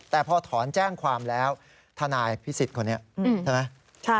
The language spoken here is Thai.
แต่พอถอนแจ้งความแล้วทนายพิสิทธิ์คนนี้ใช่ไหม